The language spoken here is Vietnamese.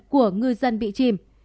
của ngư dân bị chìm